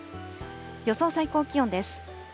予想最高気温です。